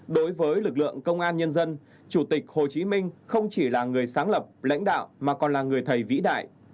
đối với lực lượng công an nhân dân chủ tịch hồ chí minh không chỉ là người sáng lập lãnh đạo mà còn là người thầy vĩ đại